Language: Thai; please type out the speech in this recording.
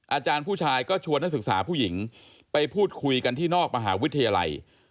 อาจารย์ผู้ชายก็ชวนนักศึกษาผู้หญิงไปพูดคุยกันที่นอกมหาวิทยาลัย